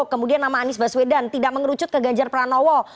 kemudian nama anies baswedan tidak mengerucut ke ganjar pranowo